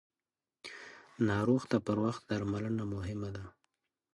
ناروغ ته پر وخت درملنه مهمه ده.